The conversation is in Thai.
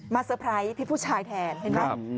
เซอร์ไพรส์พี่ผู้ชายแทนเห็นไหม